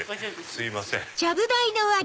すいません。